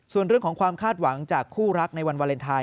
ส่วนเรื่องของความคาดหวังจากคู่รักในวันวาเลนไทย